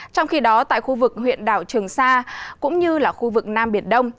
trong khi đó tại khu vực huyện đảo trường sa cũng như là khu vực nam biển đông